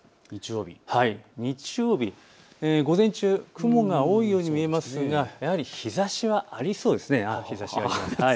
日曜日、午前中、雲が多いように見えますがやはり日ざしはありそうです。